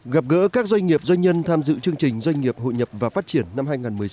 gặp gỡ các doanh nghiệp doanh nhân tham dự chương trình doanh nghiệp hội nhập và phát triển năm hai nghìn một mươi sáu